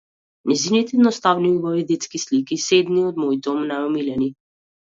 Нејзините едноставни и убави детски слики се едни од моите најомилени.